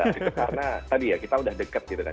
karena tadi ya kita udah deket gitu kan